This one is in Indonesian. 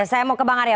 saya mau ke bang arya